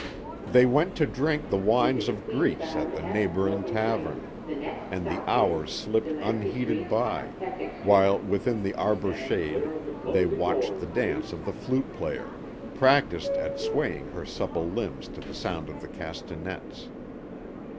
They went to drink the wines of Greece at the neighbouring tavern; and the hours slipped unheeded by, while within the arbour shade they watched the dance of the flute player, practised at swaying her supple limbs to the sound of the castanets.